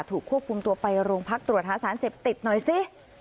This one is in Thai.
ถูกควบคุมตัวไปโรงพักตรวจหาสารเสพติดหน่อยสิ